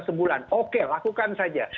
sebulan oke lakukan saja